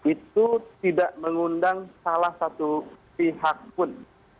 itu tidak mengundang salah satu pihak pun